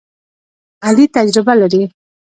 علي تجربه لري.